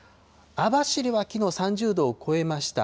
網走はきのう、３０度を超えました。